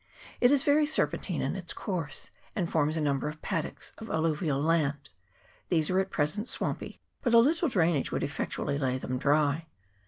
It is very serpentine in its course, and forms a num ber of paddocks of alluvial land ; these are at present swampy, but a little drainage would effectually lay them dry.